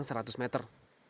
panjang seratus meter